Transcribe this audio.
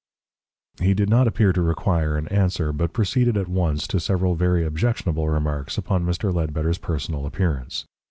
He did not appear to require an answer, but proceeded at once to several very objectionable remarks upon Mr. Ledbetter's personal appearance.